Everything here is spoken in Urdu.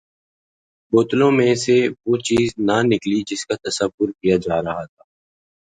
بوتلوں میں سے وہ چیز نہ نکلی جس کا تصور کیا جا رہا تھا۔